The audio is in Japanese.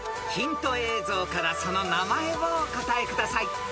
［ヒント映像からその名前をお答えください］